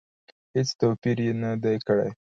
هېڅ توپیر یې نه دی کړی.